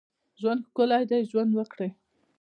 ژوند ښکلی دی ، ژوند وکړئ